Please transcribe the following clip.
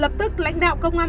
lập tức lãnh đạo công an